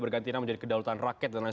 bergantian menjadi kedaulatan rakyat dan